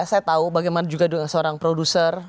saya tahu bagaimana juga seorang produser